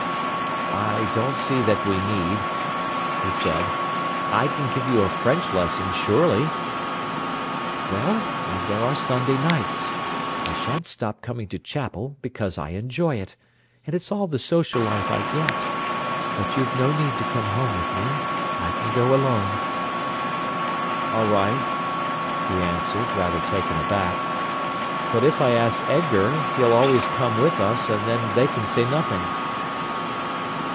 "I don't see that we need," he said. "I can give you a French lesson, surely." "Well—and there are Sunday nights. I shan't stop coming to chapel, because I enjoy it, and it's all the social life I get. But you've no need to come home with me. I can go alone." "All right," he answered, rather taken aback. "But if I ask Edgar, he'll always come with us, and then they can say nothing."